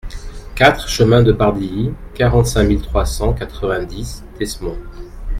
quatre chemin de Bardilly, quarante-cinq mille trois cent quatre-vingt-dix Desmonts